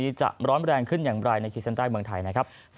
จะร้อนแรงขึ้นอย่างไรในขีดเส้นใต้เมืองไทยนะครับ